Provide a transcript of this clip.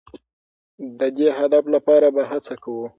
د دې هدف لپاره به هڅه کوو.